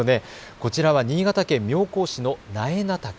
こちらは新潟県妙高市の苗名滝。